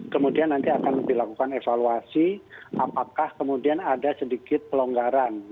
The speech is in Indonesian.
kemudian nanti akan dilakukan evaluasi apakah kemudian ada sedikit pelonggaran